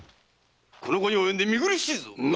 この期に及んで見苦しいぞ！